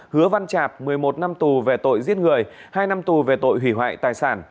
hứa văn chạp một mươi một năm tù về tội giết người hai năm tù về tội hủy hoại tài sản